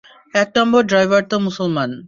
এক number driver তো মুসলমান।